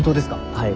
はい。